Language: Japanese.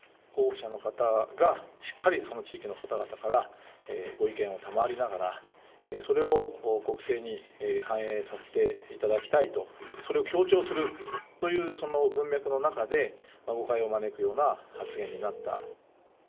候補者の方がしっかりその地域の方々から、ご意見を賜りながら、それを国政に反映させていただきたいと、それを強調するという、その文脈の中で誤解を招くような発言になった。